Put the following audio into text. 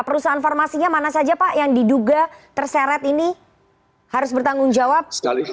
perusahaan farmasinya mana saja pak yang diduga terseret ini harus bertanggung jawab